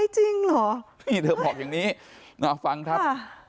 จริงเหรอนี่เธอบอกอย่างนี้ฟังครับ